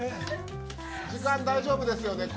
時間大丈夫ですよね。